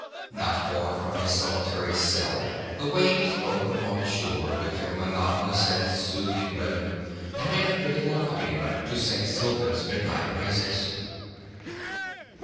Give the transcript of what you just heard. Not far from his solitary cell the waves broke upon the shore with their monotonous and soothing rhythm, and made a fitting accompaniment to St. Servan's midnight praises.